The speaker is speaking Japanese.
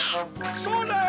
そうだよ！